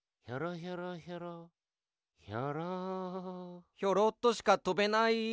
ヒョロっとしかとべない。